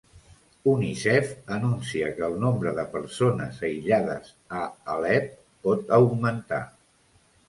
Unicef anuncia que el nombre de persones aïllades a Alep pot augmentar